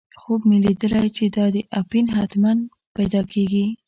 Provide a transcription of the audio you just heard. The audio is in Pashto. خوب مې لیدلی چې دا اپین حتماً پیدا کېږي.